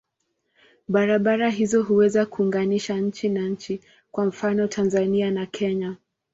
Barabara hizo huweza kuunganisha nchi na nchi, kwa mfano Tanzania na Kenya.